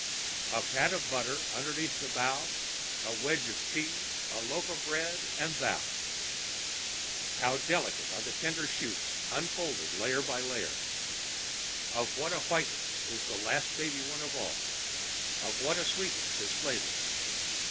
A pat of butter underneath the bough, a wedge of cheese, a loaf of bread and Thou. How delicate are the tender shoots unfolded layer by layer. Of what a whiteness is the last baby one of all, of what a sweetness his flavor.